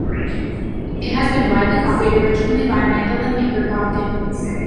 It has been widely copied, originally by mandolin maker Bob Givens.